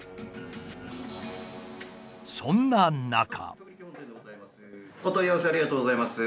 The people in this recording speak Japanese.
そんな中。